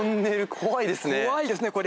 怖いですねこれ。